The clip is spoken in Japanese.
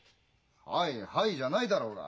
「はいはい」じゃないだろうが。